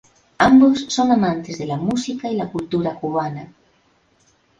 Ambos son amantes de la música y la cultura cubana.